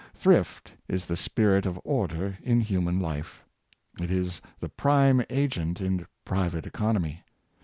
Thrift is the spirit of order in human life. It is the prime agent in private economy.